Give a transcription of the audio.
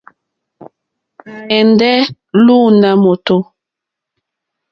À álèndé lùùná mòtò.